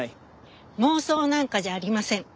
妄想なんかじゃありません。